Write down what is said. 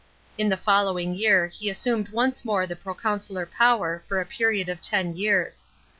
In the following year he assumed once more the pro consular power for a period of ten years.